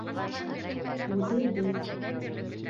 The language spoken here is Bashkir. Үҙебеҙ